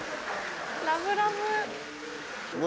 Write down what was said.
ラブラブ。